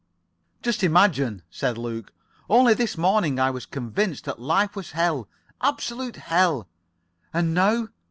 "Just imagine," said Luke. "Only this morning I was convinced that life was hell. Absolute hell." "And now?"